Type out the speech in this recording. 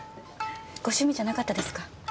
ご趣味じゃなかったですか？